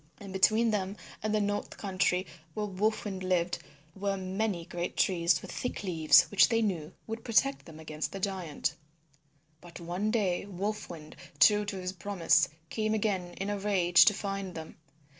And between them and the north country where Wolf Wind lived were many great trees with thick leaves which they knew would protect them from the giant. But one day Wolf Wind, true to his promise, came again in a rage to find them.